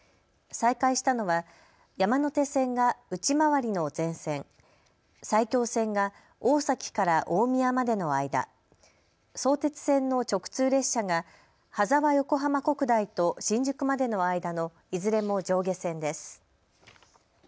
再開したのは山手線が内回りの全線、埼京線が大崎から大宮までの間、相鉄線の直通列車が羽沢横浜国大と新宿までの間のいずれも上下線です。